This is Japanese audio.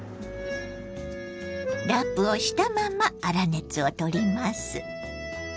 ラップをしたまま粗熱を取ります。